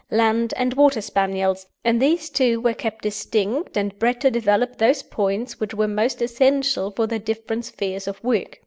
Land and Water Spaniels, and these two were kept distinct, and bred to develop those points which were most essential for their different spheres of work.